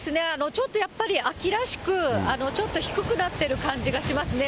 ちょっとやっぱり秋らしく、ちょっと低くなってる感じがしますね。